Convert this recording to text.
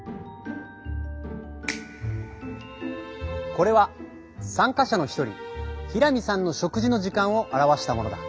これは参加者の一人平見さんの食事の時間を表したものだ。